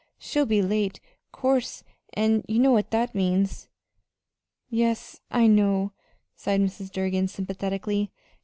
She'll be late, 'course, an' you know what that means." "Yes, I know," sighed Mrs. Durgin, sympathetically.